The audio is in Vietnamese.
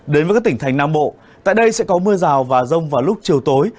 đến với các tỉnh thành nam bộ tại đây sẽ có mưa rào và rông vào lúc chiều tối